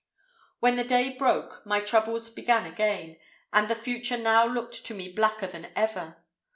"When the day broke, my troubles began again, and the future now looked to me blacker than ever.